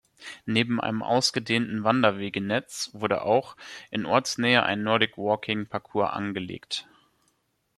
Neben einem ausgedehnten Wanderwegenetz wurde auch in Ortsnähe ein Nordic-Walking-Parcours angelegt.